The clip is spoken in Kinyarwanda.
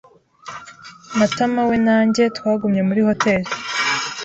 Matamawe na njye twagumye muri hoteri.